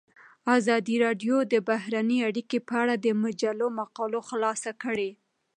ازادي راډیو د بهرنۍ اړیکې په اړه د مجلو مقالو خلاصه کړې.